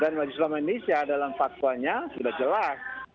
dan mas islan indonesia dalam fatwanya sudah jelas